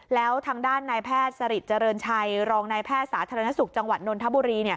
แล้วทางด้านนายแพทย์สริทเจริญชัยรองนายแพทย์สาธารณสุขจังหวัดนนทบุรี